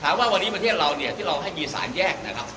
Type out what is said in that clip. ว่าวันนี้ประเทศเราเนี่ยที่เราให้มีสารแยกนะครับ